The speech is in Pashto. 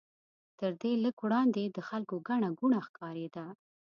تر دې لږ وړاندې د خلکو ګڼه ګوڼه ښکارېده.